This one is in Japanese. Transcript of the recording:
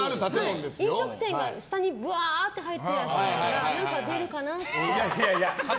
飲食店が下にぶわーって入ってるから何か出るかなって。